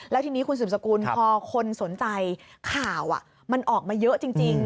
แล้วทีนี้คุณสืบสกุลพอคนสนใจข่าวมันออกมาเยอะจริง